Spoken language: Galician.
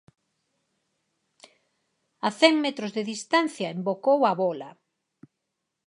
A cen metros de distancia embocou a bóla.